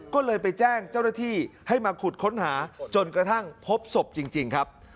ก็เลยไปแจ้งเจ้าหน้าที่ให้มาขุดค้นหาจนกระทั่งพบศพจริงครับ